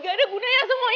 gak ada gunanya semuanya